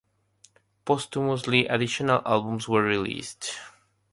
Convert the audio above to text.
Posthumously, additional albums were released.